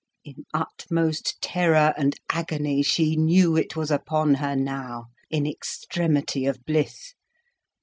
In utmost terror and agony, she knew it was upon her now, in extremity of bliss.